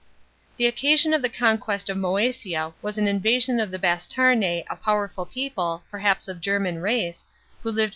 The occasion of the conquest of Moesia was an invasion of the Bastarnse, a powerful people, perhaps of German race, who lived 27 B.